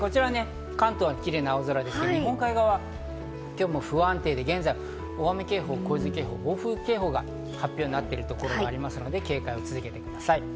関東はキレイな青空ですけど、日本海側は今日も不安定で、現在大雨警報、洪水警報、暴風警報が発表になっているところがあるので警戒を続けてください。